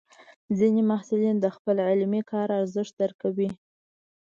ځینې محصلین د خپل علمي کار ارزښت درکوي.